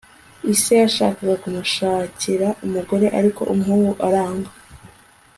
ise yashakaga kumushakira umugore ariko umuhungu aranga